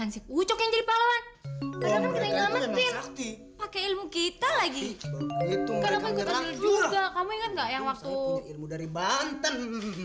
saya punya ilmu dari banten